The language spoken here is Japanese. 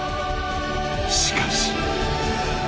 しかし。